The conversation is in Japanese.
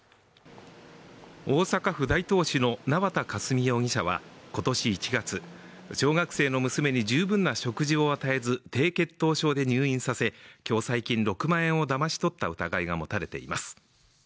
大阪府大東市の縄田佳純容疑者は今年１月、小学生の娘に十分な食事を与えず低血糖症で入院させ、共済金６万円をだまし取った疑いが持たれています。